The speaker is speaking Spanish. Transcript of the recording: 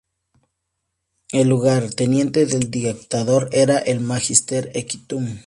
El lugarteniente del dictador era el "magister equitum".